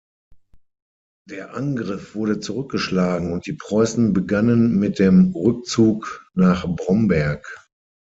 Der Angriff wurde zurückgeschlagen und die Preußen begannen mit dem Rückzug nach Bromberg.